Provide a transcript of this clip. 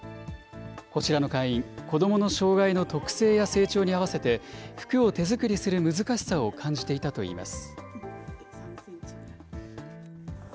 こちらの会員、子どもの障害の特性や成長に合わせて、服を手作りする難しさを感じていたといいます。